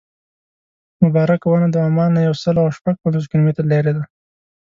مبارکه ونه د عمان نه یو سل او شپږ پنځوس کیلومتره لرې ده.